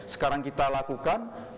sekarang kita lakukan